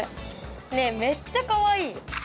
ねぇめっちゃかわいい。